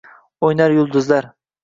O’ynar yulduzlar.